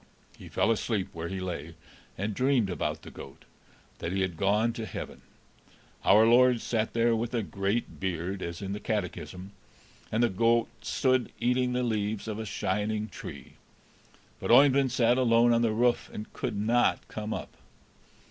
He fell asleep where he lay, and dreamed about the goat, that he had gone to heaven; our Lord sat there with a great beard, as in the catechism, and the goat stood eating the leaves off a shining tree; but Oeyvind sat alone on the roof, and could not come up.